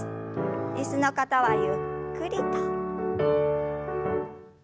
椅子の方はゆっくりと。